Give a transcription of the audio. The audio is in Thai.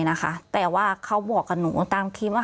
พี่เรื่องมันยังไงอะไรยังไง